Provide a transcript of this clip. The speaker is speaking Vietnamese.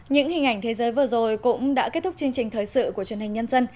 những hình ảnh thế giới vừa rồi cũng đã kết thúc chương trình thời sự của truyền hình nhân dân